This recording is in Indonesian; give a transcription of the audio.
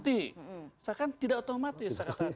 seakan akan tidak otomatis